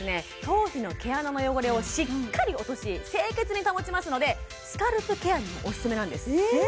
頭皮の毛穴の汚れをしっかり落とし清潔に保ちますのでスカルプケアにもおすすめなんです